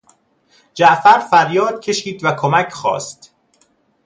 جعفر فریاد کشید و کمک خواست.